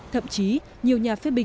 thậm chí nhiều nhà phép bình